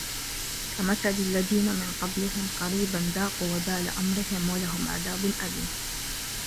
كَمَثَلِ الَّذِينَ مِنْ قَبْلِهِمْ قَرِيبًا ذَاقُوا وَبَالَ أَمْرِهِمْ وَلَهُمْ عَذَابٌ أَلِيمٌ